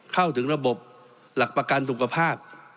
เข้าถึงระบบหลักประกันสุขภาพ